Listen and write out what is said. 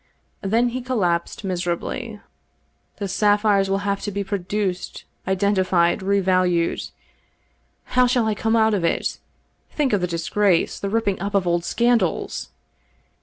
Then he collapsed miserably. " The sapphires will have to be pro duced, identified, revalued. How shall I come out of it? Think of the disgrace, the ripping up of old scandals